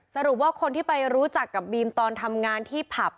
สรุปว่าคนที่ไปรู้จักกับบีมตอนทำงานที่ผับ